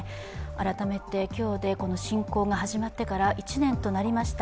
改めて今日で侵攻が始まってから１年となりました。